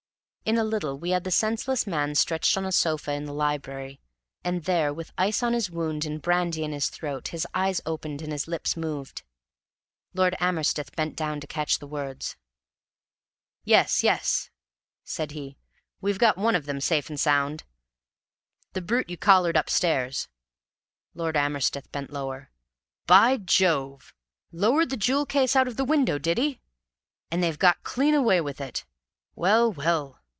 In a little we had the senseless man stretched on a sofa in the library. And there, with ice on his wound and brandy in his throat, his eyes opened and his lips moved. Lord Amersteth bent down to catch the words. "Yes, yes," said he; "we've got one of them safe and sound. The brute you collared upstairs." Lord Amersteth bent lower. "By Jove! Lowered the jewel case out of the window, did he? And they've got clean away with it! Well, well!